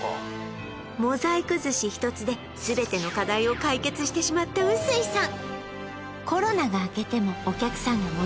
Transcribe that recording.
モザイク寿司１つで全ての課題を解決してしまった臼井さん